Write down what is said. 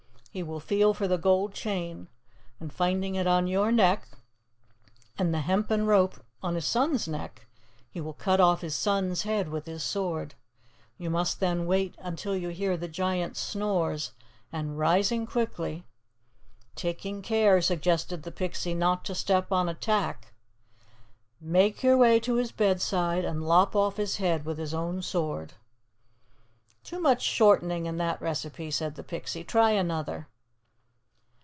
He will feel for the gold chain, and finding it on your neck, and the hempen rope on his son's neck, he will cut off his son's head with his sword. You must then wait until you hear the giant's snores, and rising quickly' " "Taking care," suggested the Pixie, "not to step on a tack." "' make your way to his bedside, and lop off his head with his own sword.'" "Too much shortening in that recipe," said the Pixie. "Try another."